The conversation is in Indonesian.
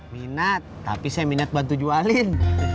minat tapi saya minat bantu jualin